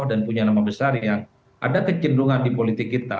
yang memiliki nama besar yang kecenderungan di politik kita